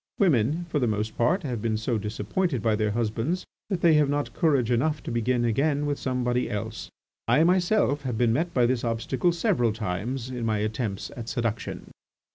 Women, for the most part, have been so disappointed by their husbands that they have not courage enough to begin again with somebody else. I myself have been met by this obstacle several times in my attempts at seduction."